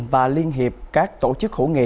và liên hiệp các tổ chức hữu nghị